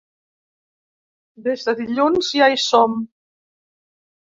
Des de dilluns ja hi som.